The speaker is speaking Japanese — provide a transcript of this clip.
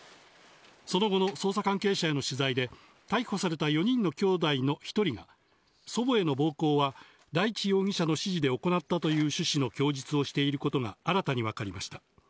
その後の捜査関係者への取材で、逮捕された４人のきょうだいの１人が、祖母への暴行は大地容疑者の指示で行ったという趣旨の供述をしていることが新たに分かりました。